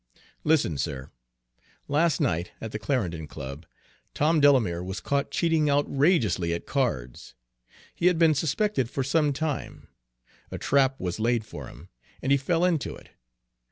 Listen, sir: last night, at the Clarendon Club, Tom Delamere was caught cheating outrageously at cards. He had been suspected for some time; a trap was laid for him, and be fell into it.